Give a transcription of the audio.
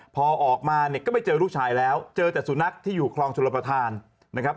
พอออกมาเนี่ยก็ไม่เจอลูกชายแล้วเจอแต่สุนัขที่อยู่คลองชลประธานนะครับ